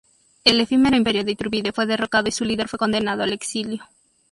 El efímero imperio de Iturbide fue derrocado y su líder fue condenado al exilio.